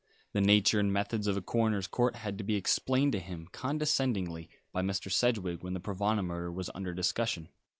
The nature and methods of a coroner's court had to be explained to him, condescendingly, by Mr. Sedgewick, when the Provana murder was under discussion.